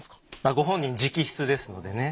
ご本人直筆ですのでね。